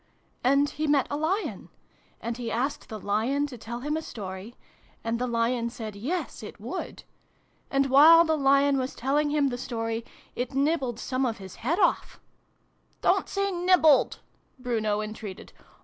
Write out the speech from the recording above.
" And he met a Lion. And he asked the Lion to tell him a story. And the Lion said ' yes/ it would. And, while the Lion was telling him the story, it nibbled some of his head off " Don't say ' nibbled '!" Bruno entreated.